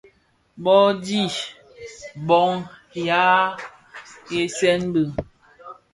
Bông di bông yàa weesën bi.